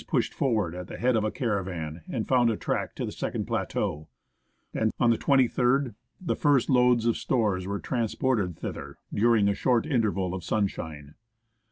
pushed forward at the head of a caravan, and found a track to the second plateau ; and on the 23rd, the first loads of stores were transported thither, during a short interval of sunshine.